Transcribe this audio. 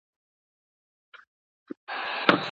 ښایي شتمن خلګ خپله دنده ادا کړي.